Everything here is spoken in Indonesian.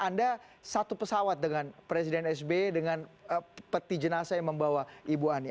anda satu pesawat dengan presiden sby dengan peti jenazah yang membawa ibu ani